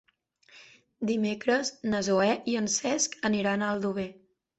Dimecres na Zoè i en Cesc aniran a Aldover.